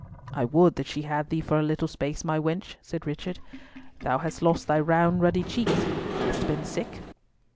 "I would that she had thee for a little space, my wench," said Richard; "thou hast lost thy round ruddy cheeks. Hast been sick?"